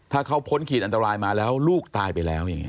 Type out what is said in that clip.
ถ้าเขาพ้นขีดอันตรายมาแล้วลูกตายไปแล้ว